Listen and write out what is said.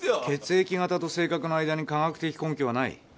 血液型と性格の間に科学的根拠はない。